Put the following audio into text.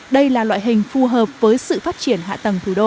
đây là loại hình phù hợp với sự phát triển hạ tầng thủ đô